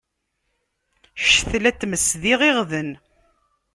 Ccetla n tmes d iɣiɣden.